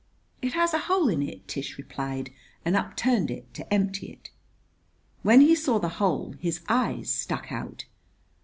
"It has a hole in it," Tish replied and upturned it to empty it. When he saw the hole his eyes stuck out.